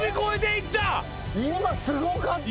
今すごかった。